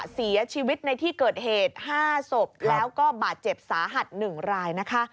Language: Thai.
เสียชีวิตในที่เกิดเหตุ๕ศพแล้วก็บาดเจ็บสาหัส๑รายนะคะ